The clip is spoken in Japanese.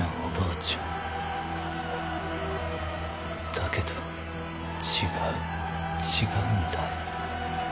だけど違う違うんだよ